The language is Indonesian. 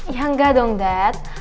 ya enggak dong dad